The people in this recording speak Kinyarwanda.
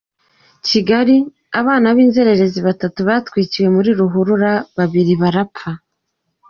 Kigali: Abana b’inzererezi batatu batwikiwe muri ruhurura, babiri barapfa.